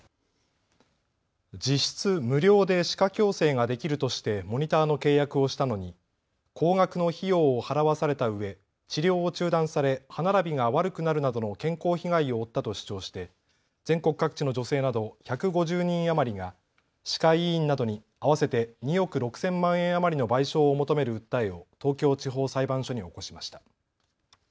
実質無料で歯科矯正ができるとしてモニターの契約をしたのに高額の費用を払わされたうえ治療を中断され歯並びが悪くなるなどの健康被害を負ったと主張して全国各地の女性など１５０人余りが歯科医院などに合わせて２億６０００万円余りの賠償を求める訴えを東京地方裁判所に起こしました。